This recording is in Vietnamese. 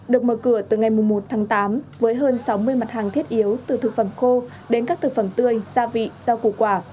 được mở cửa từ ngày một tháng tám với hơn sáu mươi mặt hàng thiết yếu từ thực phẩm khô đến các thực phẩm tươi gia vị rau củ quả